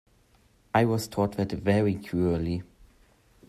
I was taught that very cruelly.